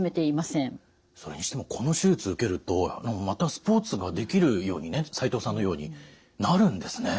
それにしてもこの手術受けるとまたスポーツができるようにね齋藤さんのようになるんですね！